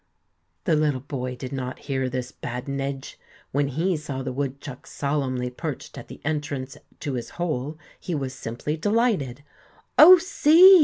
The little boy did not hear this badinage. When he saw the woodchuck solemnly perched at the entrance to his hole he was simply delighted. "Oh, see!"